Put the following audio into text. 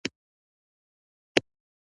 دا د اوږده اوړي په جریان کې رامنځته شوي وو